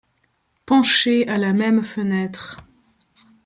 Penchés à la même fenêtre